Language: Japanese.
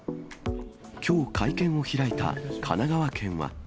きょう会見を開いた神奈川県は。